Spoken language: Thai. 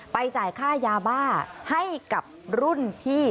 จ่ายค่ายาบ้าให้กับรุ่นพี่